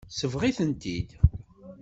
Tesbeɣ-itent-id.